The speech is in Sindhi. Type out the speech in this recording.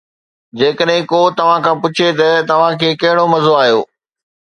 جيڪڏهن ڪو توهان کان پڇي ته، توهان کي ڪهڙو مزو آيو؟